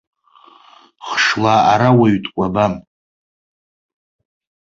Хшла ара уаҩ дкәабам.